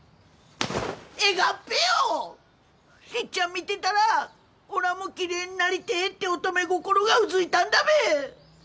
見てたらおらもきれいになりてえって乙女心がうずいたんだべ！